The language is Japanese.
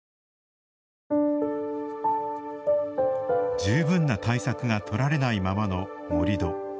十分な対策が取られないままの盛土。